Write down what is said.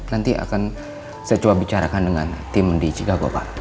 nanti akan saya coba bicarakan dengan tim di chigago pak